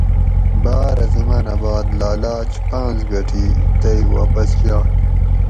باۤرہ زمانۂ باد لاۤلاچ پاںس گٹی تئ واپس یائ